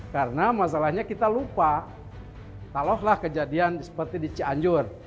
karena masalahnya kita lupa talohlah kejadian seperti di cianjur